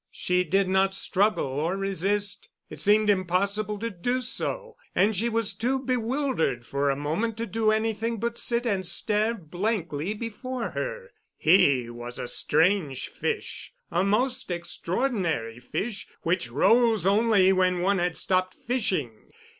She did not struggle or resist. It seemed impossible to do so, and she was too bewildered for a moment to do anything but sit and stare blankly before her. He was a strange fish—a most extraordinary fish which rose only when one had stopped fishing.